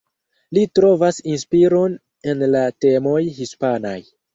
Li trovas inspiron en la temoj hispanaj.